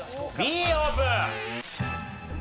Ｂオープン。